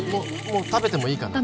もう食べてもいいかな？